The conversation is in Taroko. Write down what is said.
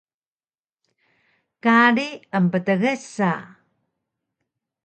Kari emptgsa